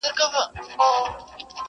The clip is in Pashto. مور او پلار دواړه مات او کمزوري پاته کيږي.